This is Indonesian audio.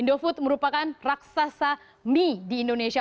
indofood merupakan raksasa mie di indonesia